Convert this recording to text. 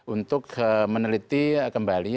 untuk meneliti kembali